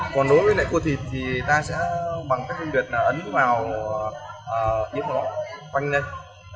còn đối với lại cua thịt thì ta sẽ bằng cách phân biệt là ấn vào yếm nó quanh lên